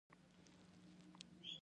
نوې مینه زړه ته سکون ورکوي